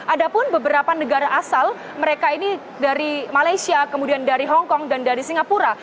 ada pun beberapa negara asal mereka ini dari malaysia kemudian dari hongkong dan dari singapura